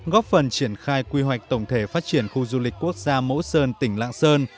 góp phần triển khai quy hoạch tổng thể phát triển khu du lịch quốc gia mẫu sơn tỉnh lạng sơn